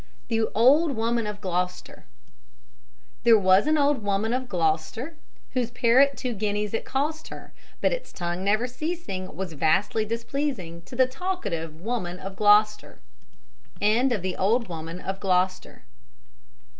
THE OLD WOMAN OF GLOUCESTER There was an old woman of Gloucester, Whose parrot two guineas it cost her, But its tongue never ceasing, Was vastly displeasing To the talkative woman of Gloucester.